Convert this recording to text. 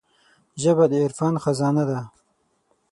ژبه د عرفان خزانه ده